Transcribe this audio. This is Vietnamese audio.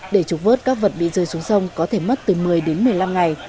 để trục vớt các vật bị rơi xuống sông có thể mất từ một mươi đến một mươi năm ngày